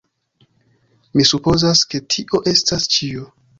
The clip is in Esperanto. Mi supozas ke... tio estas ĉio!